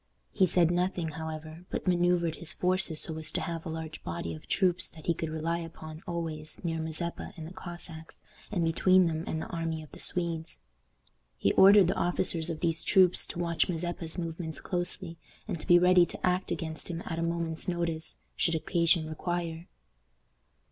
He said nothing, however, but manoeuvred his forces so as to have a large body of troops that he could rely upon always near Mazeppa and the Cossacks, and between them and the army of the Swedes. He ordered the officers of these troops to watch Mazeppa's movements closely, and to be ready to act against him at a moment's notice, should occasion require.